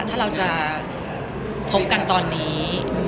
ถ้าเราจะพบกันตอนนี้